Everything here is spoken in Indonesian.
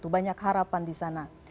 banyak harapan di sana